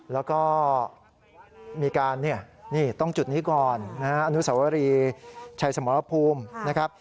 แล้วก็มีการนี่ต้องจุดนี้ก่อนอนุสาวรีชายสมอบภูมินะครับ